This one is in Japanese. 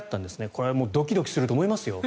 これはドキドキすると思いますよ。